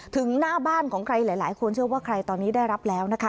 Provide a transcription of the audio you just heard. ถึงหน้าบ้านของใครหลายคนเชื่อว่าใครตอนนี้ได้รับแล้วนะคะ